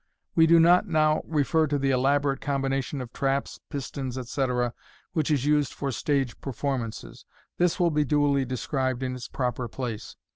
We do not now refer to the elaborate com bination of traps, pistons, etc., which is used for stage performances. This will be duly described in its proper place.